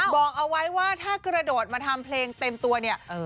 บอกเอาไว้ว่าถ้ากระโดดมาทำเพลงเต็มตัวเนี่ย